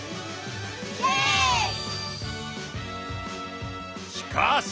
イエイ！しかし！